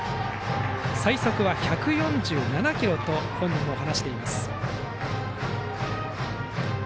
最速は１４７キロと本人も話しています。